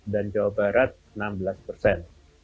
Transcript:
dan jawa barat enam belas persen